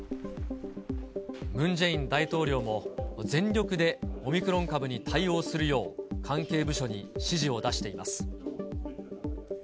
ムン・ジェイン大統領も、全力でオミクロン株に対応するよう、関係部署に指示を出しています。